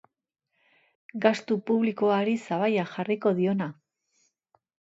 Gastu publikoari sabaia jarriko diona.